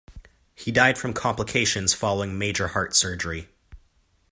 He died from complications following major heart surgery.